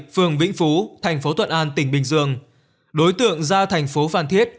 phường vĩnh phú thành phố thuận an tỉnh bình dương đối tượng ra thành phố phan thiết